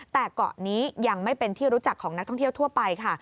แต่เกาะนี้ยังไม่เป็นที่รู้จักของนักท่องเที่ยวทั่วไปค่ะ